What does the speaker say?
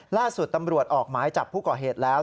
ล่าสุดตำรวจออกหมายจับผู้ก่อเหตุแล้ว